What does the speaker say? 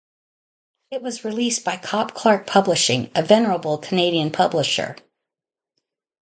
It was released by Copp-Clark Publishing, a venerable Canadian publisher.